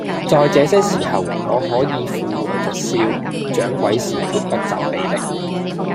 在這些時候，我可以附和着笑，掌櫃是決不責備的